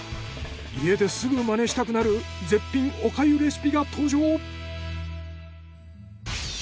家ですぐマネしたくなる絶品お粥レシピが登場！